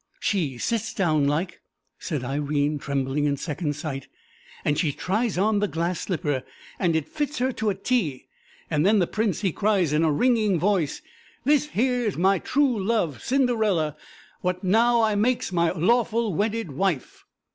"She sits down like," said Irene, trembling in second sight, "and she tries on the glass slipper, and it fits her to a T, and then the prince, he cries in a ringing voice, 'This here is my true love, Cinderella, what now I makes my lawful wedded wife.'"